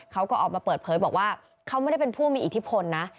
เขาก็ออกมาเปิดเผยบอกว่าเขาไม่ได้เป็นผู้มีอิทธิพลนะ